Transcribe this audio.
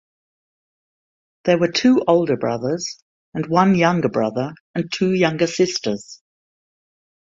There were two older brothers and one younger brother and two younger sisters.